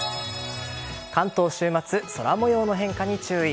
関東週末、空模様の変化に注意。